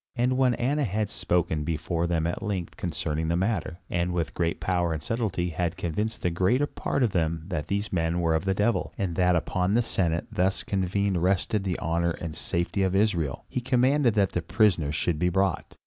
And when Annas had spoken before them at length concerning the matter, and with great power and subtilty had convinced the greater part of them that these men were of the devil, and that upon the Senate thus convened rested the honor and safety of Israel, he commanded that the prisoners should be brought.